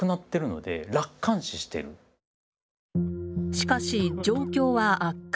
しかし状況は悪化。